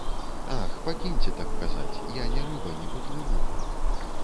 Ах, пакіньце так казаць, я не рыба, не паплыву.